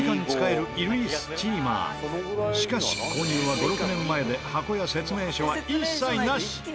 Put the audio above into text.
しかし購入は５６年前で箱や説明書は一切なし。